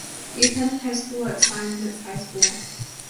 He attended high school at Steinmetz High School.